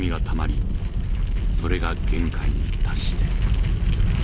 それが限界に達して。